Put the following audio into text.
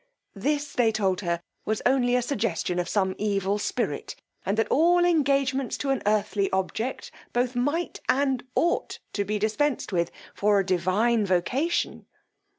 This, they told her, was only a suggestion of some evil spirit, and that all engagements to an earthly object, both might and ought to be dispensed with for a divine vocation.